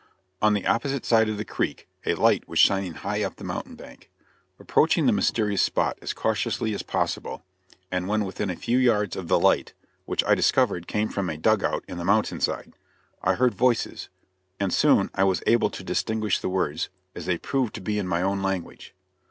On the opposite side of the creek a light was shining high up the mountain bank. Approaching the mysterious spot as cautiously as possible, and when within a few yards of the light which I discovered came from a dug out in the mountain side I heard voices, and soon I was able distinguish the words, as they proved to be in my own language.